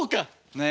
ねえ。